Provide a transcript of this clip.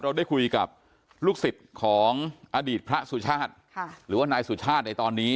เราได้คุยกับลูกศิษย์ของอดีตพระสุชาติหรือว่านายสุชาติในตอนนี้